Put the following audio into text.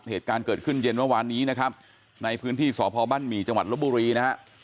เหตุการณ์เกิดขึ้นเย็นเมื่อวานนี้นะครับในพื้นที่สพบ้านหมี่จังหวัดลบบุรีนะฮะ